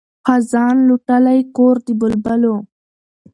خزان لوټلی کور د بلبلو